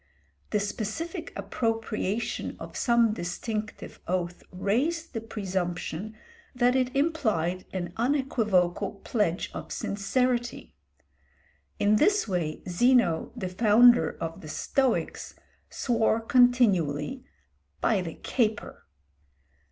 The specific appropriation of some distinctive oath raised the presumption that it implied an unequivocal pledge of sincerity. In this way Zeno, the founder of the Stoics, swore continually "by the caper."